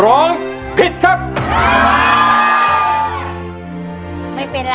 หนูรู้สึกดีมากเลยค่ะ